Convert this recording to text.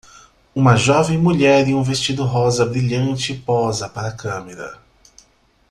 Uma jovem mulher em um vestido rosa brilhante posa para a câmera.